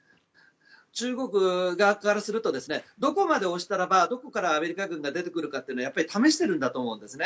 中国側からするとどこまで押せばアメリカ軍が出てくるか試しているんだと思うんですね。